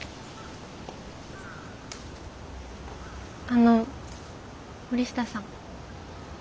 あの森下さん。